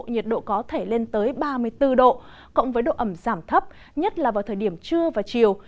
nhiệt độ có thể lên tới ba mươi bốn độ cộng với độ ẩm giảm thấp nhất là vào thời điểm trưa và chiều